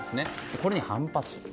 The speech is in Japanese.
これに反発すると。